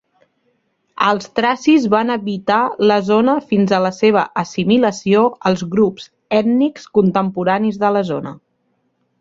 Els tracis van habitar la zona fins a la seva assimilació als grups ètnics contemporanis de la zona.